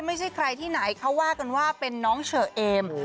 ไม่ใช่ใครที่ไหนเขาว่ากันว่าเป็นน้องเฉอเอม